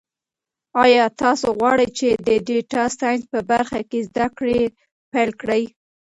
ایا تاسو غواړئ چې د ډیټا ساینس په برخه کې زده کړې پیل کړئ؟